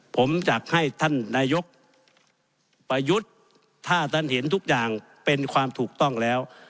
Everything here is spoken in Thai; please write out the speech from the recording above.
ผมอยากให้ท่านนายกประยุทธ์ถ้าท่านเห็นทุกอย่างเป็นความถูกต้องแล้ว